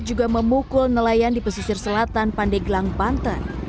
juga memukul nelayan di pesisir selatan pandeglang banten